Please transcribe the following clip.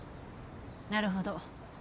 なるほど。